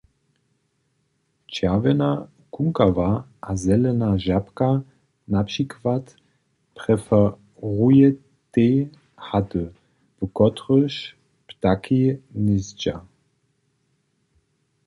Čerwjena kunkawa a zelena žabka na přikład preferujetej haty, w kotrychž ptaki hnězdźa.